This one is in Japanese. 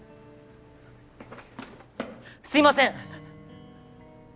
すいません！